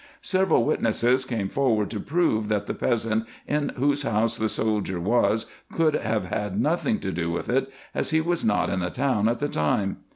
Several witnesses came forward to prove, that the peasant, in whose house the soldier was, could have had nothing to do with it, as he was not in the town at the time.